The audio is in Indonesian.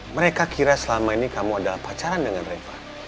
mereka kira selama ini kamu ada pacaran dengan reva